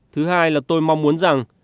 thứ hai là tôi mong muốn rằng